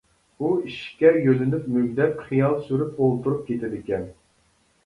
ئۇ ئىشىككە يۆلىنىپ مۈگدەپ خىيال سۈرۈپ ئولتۇرۇپ كېتىدىكەن؟ !